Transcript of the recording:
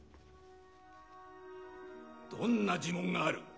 どんな呪文がある？